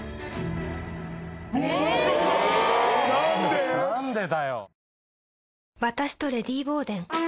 何でだよ。